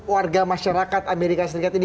warga masyarakat amerika serikat ini